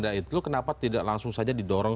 nah itu kenapa tidak langsung saja didorong